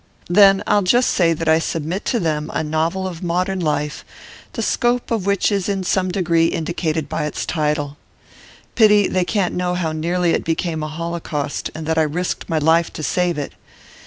'Then I'll just say that I submit to them a novel of modern life, the scope of which is in some degree indicated by its title. Pity they can't know how nearly it became a holocaust, and that I risked my life to save it.